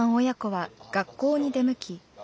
親子は学校に出向き